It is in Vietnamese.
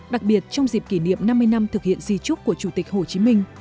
đặc biệt trong dịp kỷ niệm năm mươi năm thực hiện di trúc của chủ tịch hồ chí minh